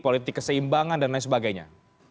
politik keseimbangan dan lain sebagainya